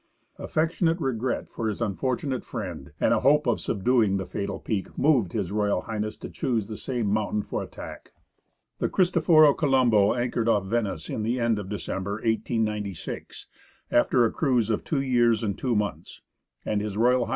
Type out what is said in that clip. Affectionate regret for his unfortunate friend, and a hope of subduing the fatal peak, moved H.R. H. to choose the same mountain for attack. The Cristoforo Colombo anchored off Venice at the end of December, 1896, after a cruise of two years and two months, and H.R. H.